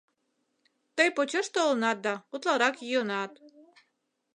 Тый почеш толынат да, утларак йӱынат.